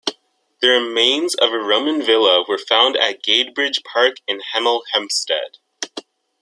The remains of a Roman villa were found at Gadebridge Park in Hemel Hempstead.